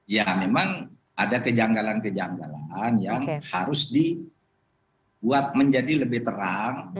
ya memang ada kejanggalan kejanggalan yang harus dibuat menjadi lebih terang